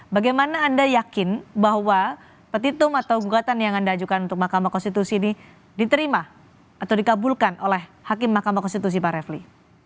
bagaimana anda yakin bahwa petitum atau gugatan yang anda ajukan untuk mahkamah konstitusi ini diterima atau dikabulkan oleh hakim mahkamah konstitusi pak refli